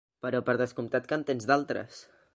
Però per descomptat que en tens d'altres.